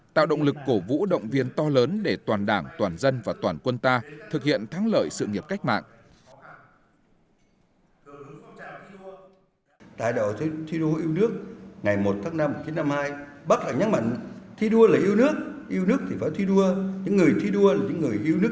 tạo động lực cổ vũ động viên to lớn để toàn đảng toàn dân và toàn quân ta thực hiện thắng lợi sự nghiệp cách mạng